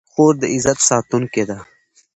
خور د عزت ساتونکې ده.